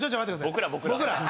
僕ら僕ら。